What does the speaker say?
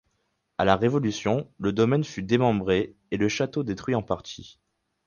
A la Révolution, le domaine fut démembré et le château détruit en partie.